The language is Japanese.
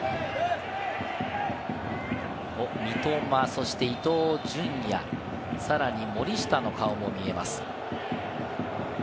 おっ、三笘、伊東純也、さらに森下の顔も見えます。